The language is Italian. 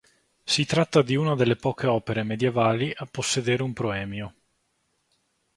Si tratta di una delle poche opere medievali a possedere un proemio.